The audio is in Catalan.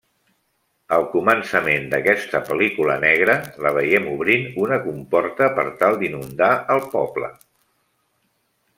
Al començament d'aquesta pel·lícula negra, la veiem obrint una comporta per tal d'inundar el poble.